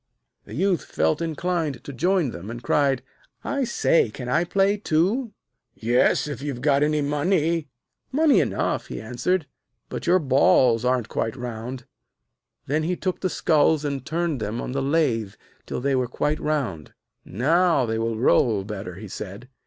The Youth felt inclined to join them, and cried: 'I say, can I play too?' 'Yes, if you've got any money.' 'Money enough,' he answered, 'but your balls aren't quite round.' Then he took the skulls and turned them on the lathe till they were quite round. 'Now they will roll better,' he said.